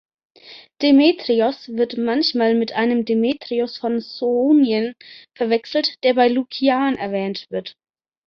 Demetrios wird manchmal mit einem Demetrios von Sounion verwechselt, der bei Lukian erwähnt wird.